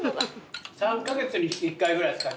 ３カ月に１回ぐらいですか？